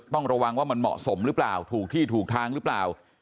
ต้องระวังว่ามันเหมาะสมหรือเปล่าถูกที่ถูกทางหรือเปล่า